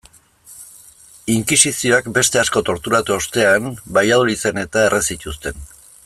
Inkisizioak beste asko torturatu ostean Valladoliden-eta erre zituzten.